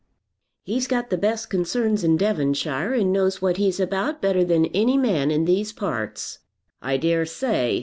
"He's got the best concerns in Devonshire, and knows what he's about better than any man in these parts." "I dare say.